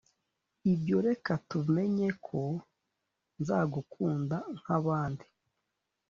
ibyo reka tumenye ko nzagukunda nkabandi.